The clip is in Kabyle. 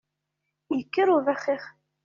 Yekker ubaxix!